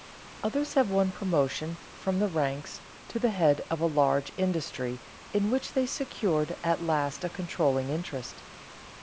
Others have won promotion from the ranks to the head of a large industry in which they secured at last a controlling interest.